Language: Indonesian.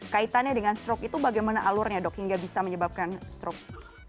kaitannya dengan stroke itu bagaimana alurnya dok hingga bisa menyebabkan stroke